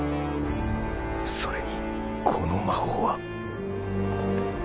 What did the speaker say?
それにこの魔法は